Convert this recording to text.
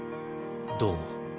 どうも。